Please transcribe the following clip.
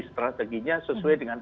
strateginya sesuai dengan